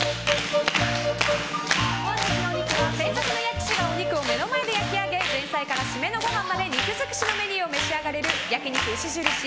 本日のお肉は、専属の焼き師がお肉を目の前で焼き上げ前菜から締めのごはんまで肉尽くしのメニューを召し上がれる焼肉牛印